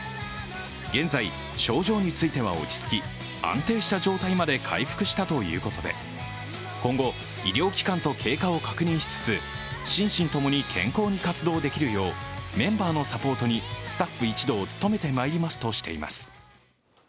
現在、症状については落ち着き、安定した状態まで回復したということで、今後、医療機関と経過を確認しつつ心身共に健康に活動できるようメンバーのサポートにスタッフ一同努めてまいりますとしています。